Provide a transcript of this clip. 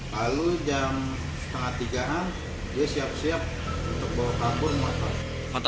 lalu jam setengah tiga an dia siap siap untuk bawa kabur motor